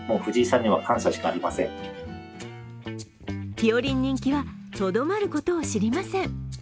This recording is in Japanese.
ぴよりん人気はとどまることを知りません。